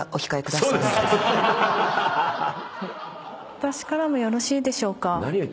私からもよろしいでしょうか。